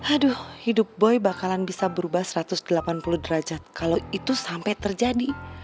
aduh hidup boy bakalan bisa berubah satu ratus delapan puluh derajat kalau itu sampai terjadi